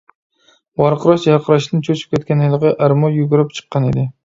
ۋارقىراش جارقىراشتىن چۆچۈپ كەتكەن ھېلىقى ئەرمۇ يۈگۈرۈپ چىققان ئىدى.